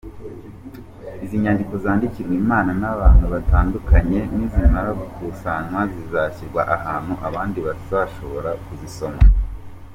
Izi nyandiko zandikirwa Imana n’abantu batandukanye, nizimara gukusanywa zizashyirwa ahantu abandi bazashobora kuzisoma.